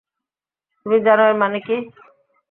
তুমি জানো এর মানে কী?